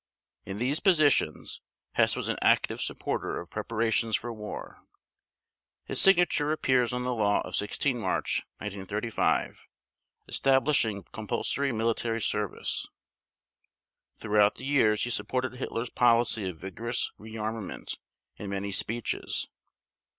In these positions, Hess was an active supporter of preparations for war. His signature appears on the law of 16 March 1935 establishing compulsory military service. Throughout the years he supported Hitler's policy of vigorous rearmament in many speeches.